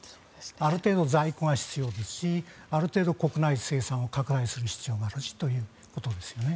ある程度、在庫が必要ですしある程度、国内生産を確保する必要があるしということですね。